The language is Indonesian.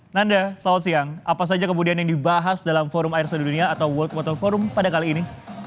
nanda selamat siang apa saja kemudian yang dibahas dalam forum air sedunia atau world water forum pada kali ini